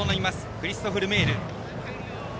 クリストフ・ルメール。